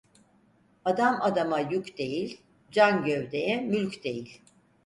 Adam adama yük değil, can gövdeye mülk değil.